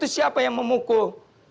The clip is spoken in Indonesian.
siapa yang memukul